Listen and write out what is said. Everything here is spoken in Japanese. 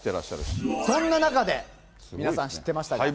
そんな中で、皆さん知ってましたか？